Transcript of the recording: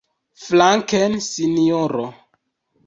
Flanken, sinjoro!